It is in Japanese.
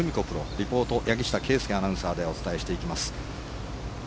プロリポート柳下圭佑アナウンサーでお伝えしていきます。